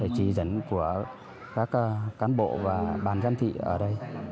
để chỉ dẫn của các cán bộ và bàn giam thị ở đây